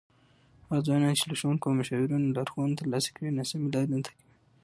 هغه ځوانان چې له ښوونکو او مشاورینو لارښوونه ترلاسه کړي، ناسمې لارې نه تعقیبوي.